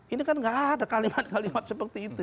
ini kan gak ada kalimat kalimat seperti itu